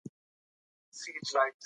بچي یې په پټي کې ټوپونه وهي.